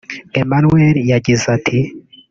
Emanuel yagize ati